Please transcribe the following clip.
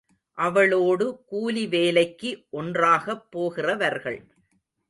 அவளோடு கூலி வேலைக்கு ஒன்றாக போகிறவர்கள்.